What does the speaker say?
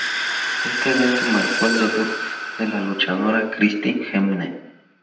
Este evento marco el debut de la luchadora Christy Hemme.